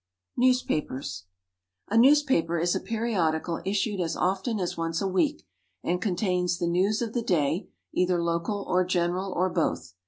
=Newspapers.= A newspaper is a periodical issued as often as once a week, and contains the news of the day, either local or general, or both.